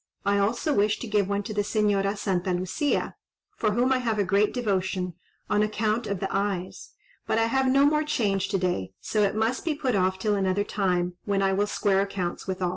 I also wish to give one to the Señora Santa Lucia, for whom I have a great devotion, on account of the eyes; but I have no more change to day, so it must be put off till another time, when I will square accounts with all."